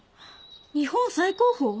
日本最高峰？